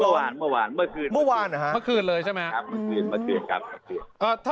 เมื่อวานเมื่อวานเมื่อคืนเมื่อวานเหรอฮะเมื่อคืนเลยใช่ไหมครับเมื่อคืนเมื่อคืนครับเมื่อคืน